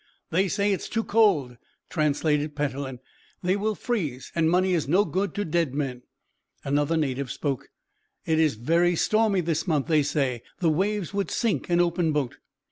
"They say it's too cold," translated Petellin. "They will freeze, and money is no good to dead men." Another native spoke: "'It is very stormy this month,' they say. 'The waves would sink an open boat.'"